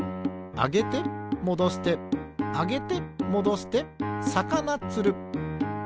あげてもどしてあげてもどしてさかなつる。